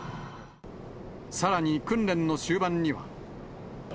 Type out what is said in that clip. さらに訓練の終盤には。